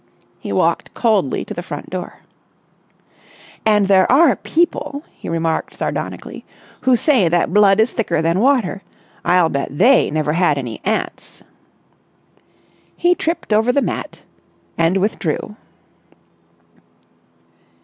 He walked coldly to the front door. "And there are people," he remarked sardonically, "who say that blood is thicker than water! I'll bet they never had any aunts!" He tripped over the mat and withdrew.